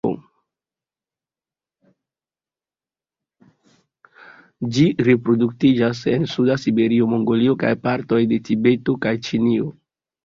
Ĝi reproduktiĝas en suda Siberio, Mongolio kaj partoj de Tibeto kaj Ĉinio.